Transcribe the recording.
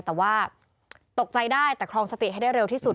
แต่ว่าตกใจได้แต่ครองสติให้ได้เร็วที่สุด